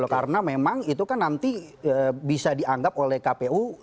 karena memang itu kan nanti bisa dianggap oleh kpu